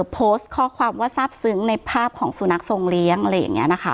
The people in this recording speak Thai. โพสต์ข้อความว่าทราบซึ้งในภาพของสุนัขทรงเลี้ยงอะไรอย่างนี้นะคะ